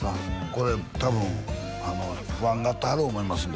これ多分不安がってはる思いますんでね